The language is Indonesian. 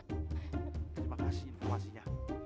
terima kasih informasinya